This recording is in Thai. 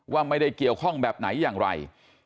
ว่าไม่ได้เกี่ยวข้องแบบไหนอย่างไร